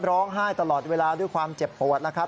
ร้องไห้ตลอดเวลาด้วยความเจ็บปวดแล้วครับ